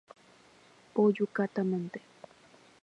Pojukátamante.